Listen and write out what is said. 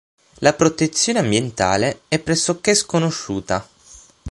La protezione ambientale è pressoché sconosciuta.